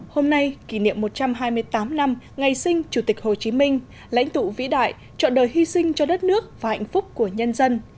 hôm nay kỷ niệm một trăm hai mươi tám năm ngày sinh chủ tịch hồ chí minh lãnh tụ vĩ đại chọn đời hy sinh cho đất nước và hạnh phúc của nhân dân